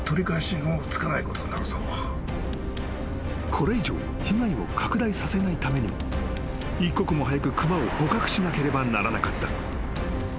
［これ以上被害を拡大させないためにも一刻も早く熊を捕獲しなければならなかった］